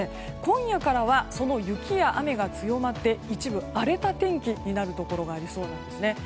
今夜からはその雪や雨が強まって一部荒れた天気になるところがありそうなんです。